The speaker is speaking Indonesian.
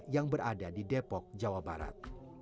yang berada di depok jawa barat